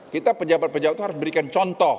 kita pejabat pejabat itu harus berikan contoh